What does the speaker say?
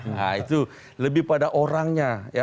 nah itu lebih pada orangnya